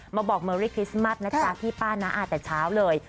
บอกเมอรี่คริสต์มัสนะจ๊ะพี่ป้าน้าอ่านแต่เช้าเลย